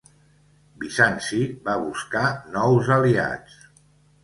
Bizanci va buscar nous aliats.